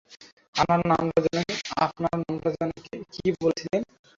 আপনার নামটা যেন কী বলেছিলেন?